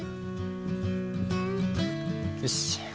よし！